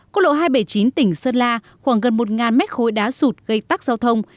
cô lộ hai trăm bảy mươi chín tỉnh sơn la khoảng gần một mét khối đá sụt gây tắc giao thông